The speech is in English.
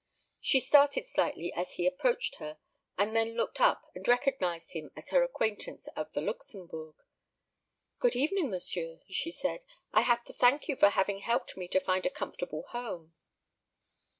She started slightly as he approached her, and then looked up and recognized him as her acquaintance of the Luxembourg. "Good evening, monsieur," she said; "I have to thank you for having helped me to find a comfortable home."